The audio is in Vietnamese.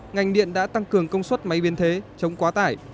ngành điện đã tăng cường công suất máy biên thế chống quá tải